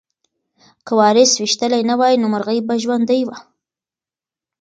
که وارث ویشتلی نه وای نو مرغۍ به ژوندۍ وه.